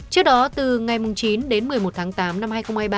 trước đó từ ngày chín đến một mươi một tháng tám năm hai nghìn hai mươi ba